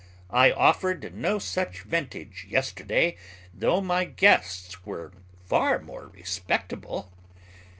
I offered no such vintage yesterday, though my guests were far more respectable."